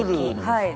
はい。